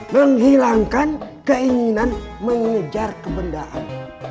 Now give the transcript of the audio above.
menghilangkan keinginan mengejar kebendaan